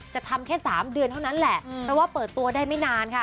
จะทำแค่๓เดือนเท่านั้นแหละเพราะว่าเปิดตัวได้ไม่นานค่ะ